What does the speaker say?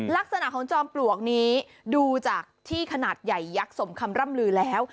ลักษณะของจอมปลวกนี้ดูจากที่ขนาดใหญ่ยักษ์สมคำร่ำลือแล้ว